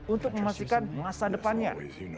untuk memastikan masa depannya